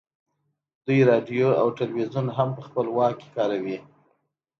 دوی راډیو او ټلویزیون هم په خپل واک کې کاروي